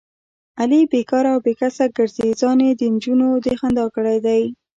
علي بیکاره او بې کسبه ګرځي، ځان یې دنجونو د خندا کړی دی.